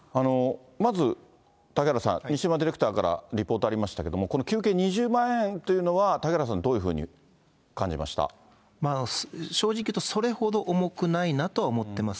まず、嵩原さん、西村ディレクターからリポートありましたけれども、この求刑２０万円というのは、嵩原さん、正直言うと、それほど重くないなとは思ってます。